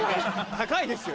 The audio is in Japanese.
高いですよ！